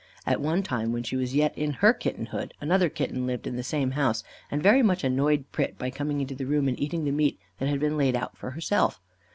At one time, when she was yet in her kittenhood, another kitten lived in the same house, and very much annoyed Pret, by coming into the room and eating the meat that had been laid out for herself.